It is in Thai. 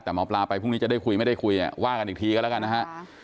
แต่หมอปลาไปพรุ่งนี้จะได้คุยไม่ได้คุยว่ากันอีกทีก็แล้วกันนะฮะ